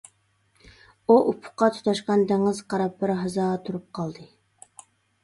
ئۇ ئۇپۇققا تۇتاشقان دېڭىزغا قاراپ بىر ھازا تۇرۇپ قالدى.